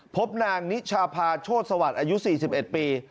พบนางนิชาพาโชธสวัสดิ์อายุ๔๑ปี